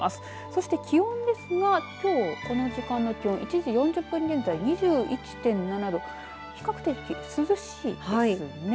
そして気温ですがきょうこの時間の気温１時４０分現在、２１．７度比較的、涼しいですね。